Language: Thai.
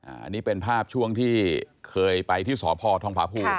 อันนี้เป็นภาพช่วงที่เคยไปที่สพทองผาภูมิ